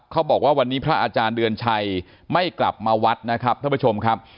บอกว่าวันนี้พระอาจารย์เดือนชัยไม่กลับมาวัดนะครับท่านผู้ชมครับ